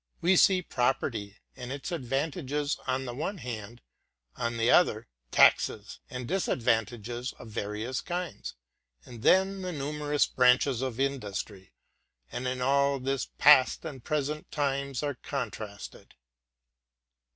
We see property and its advantages on the one hand; on the other, taxes and disadvantages of various kinds; and then the numerous branches of industry; and in all this past and present times are contrasted.